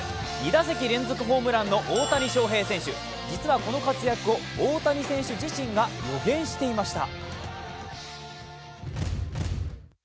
２打席連続ホームランの大谷翔平選手、実はこの活躍を大谷選手自身が予言していました。